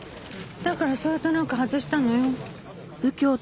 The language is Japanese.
だからそれとなく外したのよ。